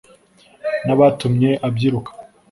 n’abatumye abyiruka